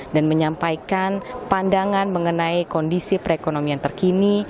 dan menyampaikan pandangan mengenai kondisi perekonomian terkini